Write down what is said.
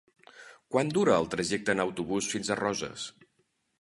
Quant dura el trajecte en autobús fins a Roses?